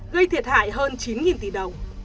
gây thiệt hại hơn chín tỷ đồng